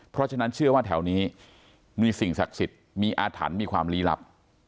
เพราะฉะนั้นเชื่อว่าแถวนี้มีสิ่งศักดิ์สิทธิ์มีอาถรรพ์มีความลี้ลับ